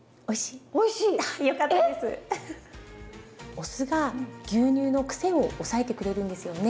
お酢が牛乳のクセを抑えてくれるんですよね。